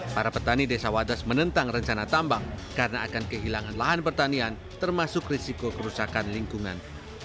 para petani desa wadas menentang rencana tambang karena akan kehilangan lahan pertanian termasuk risiko kerusakan lingkungan